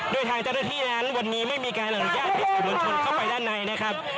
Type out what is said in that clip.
โดยทางเจ้าหน้าที่นั้นวันนี้ไม่มีการอนุญาตให้สื่อมวลชนเข้าไปด้านในนะครับ